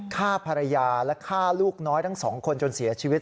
ฆ่าภรรยาและฆ่าลูกน้อยทั้งสองคนจนเสียชีวิต